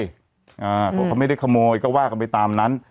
เขาบอกเขาไม่ได้ขโมยก็ว่ากันไปตามนั้น